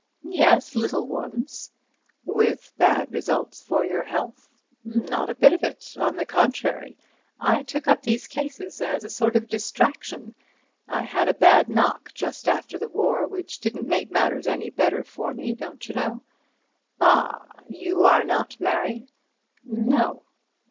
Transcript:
"Yes. Little ones." "With bad results for your health?" "Not a bit of it. On the contrary. I took up these cases as a sort of distraction. I had a bad knock just after the war, which didn't make matters any better for me, don't you know." "Ah! you are not married?" "No."